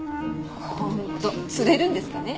本当釣れるんですかね？